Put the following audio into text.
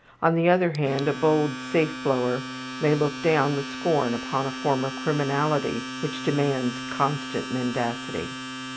On the other hand, a bold safe blower may look down with scorn upon a form of criminality which demands constant mendacity.